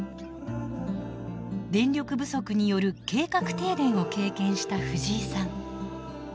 電力不足による計画停電を経験したフジイさん。